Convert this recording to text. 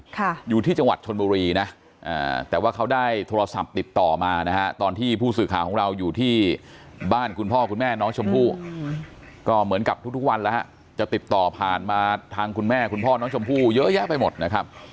ทุกวันแล้วจะติดต่อผ่านมาทางคุณแม่คุณพ่อน้องชมพู่เยอะแยะไปหมดนะครับ